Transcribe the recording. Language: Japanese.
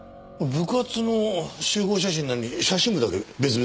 部活の集合写真なのに写真部だけ別々ですね。